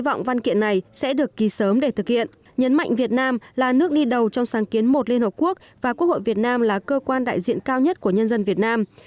ông mahocha bày sớm để thực hiện nhấn mạnh việt nam là nước đi đầu trong sáng kiến một liên hợp quốc và quốc hội việt nam là cơ quan đại diện cao nhất của nhân dân việt nam